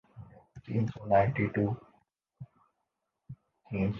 اب وہ تحریک انصاف کا رخ کر سکتے ہیں کہ پیپلز پارٹی کا